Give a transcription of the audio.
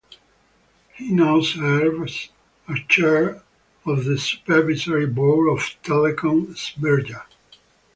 He now serves as chair of the supervisory board of "Telekom Srbija".